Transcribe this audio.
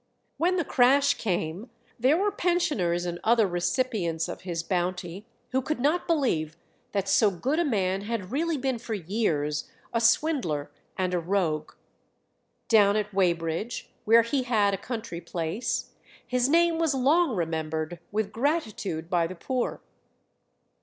When the crash came there were pensioners and other recipients of his bounty who could not believe that so good a man had really been for years a swindler and a rogue. Down at Weybridge, where he had a country place, his name was long remembered with gratitude by the poor.